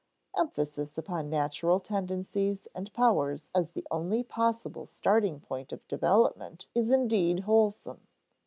Emphasis upon natural tendencies and powers as the only possible starting point of development is indeed wholesome.